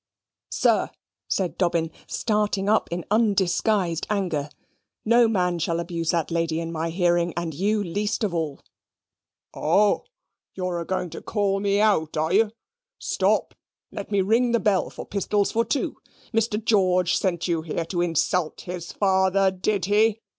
"Sir," said Dobbin, starting up in undisguised anger; "no man shall abuse that lady in my hearing, and you least of all." "O, you're a going to call me out, are you? Stop, let me ring the bell for pistols for two. Mr. George sent you here to insult his father, did he?"